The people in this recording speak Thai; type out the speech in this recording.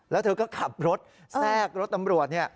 แล้วเธอก็ขับรถแทรกรถตำรวจ